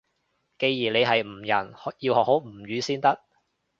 既然你係吳人，要學好吳語先得㗎